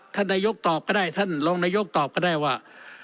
ท่านนายกตอบก็ได้ท่านรองนายกตอบก็ได้ว่า